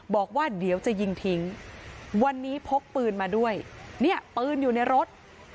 บอกว่าเดี๋ยวจะยิงทิ้งวันนี้พกปืนมาด้วยเนี่ยปืนอยู่ในรถ